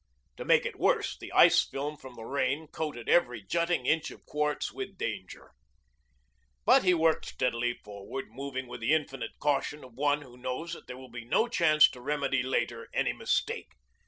To make it worse, the ice film from the rain coated every jutting inch of quartz with danger. But he worked steadily forward, moving with the infinite caution of one who knows that there will be no chance to remedy later any mistake.